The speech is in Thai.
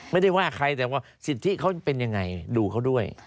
ไม่ได้ว่าใครแต่ว่าสิทธิเขาเป็นยังไงดูเขาด้วย